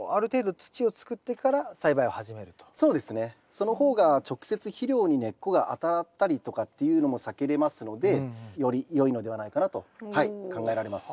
その方が直接肥料に根っこが当たったりとかっていうのも避けれますのでよりよいのではないかなと考えられます。